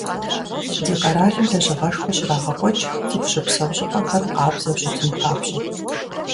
Ди къэралым лэжьыгъэшхуэ щрагъэкӀуэкӀ, цӀыху щыпсэу щӀыпӀэхэр къабзэу щытын папщӀэ.